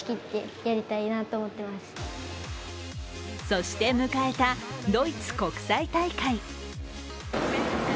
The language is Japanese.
そして迎えたドイツ国際大会。